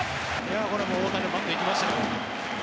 これは大谷のバント生きましたね。